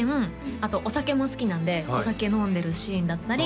あとお酒も好きなんでお酒飲んでるシーンだったり